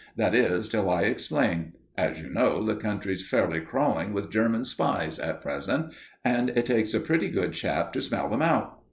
"That is, till I explain. As you know, the country's fairly crawling with German spies at present, and it takes a pretty good chap to smell them out.